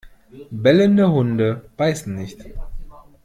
Bellende Hunde beißen nicht!